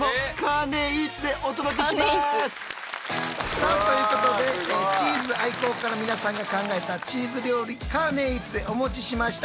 さあということでチーズ愛好家の皆さんが考えたチーズ料理カーネーイーツでお持ちしました！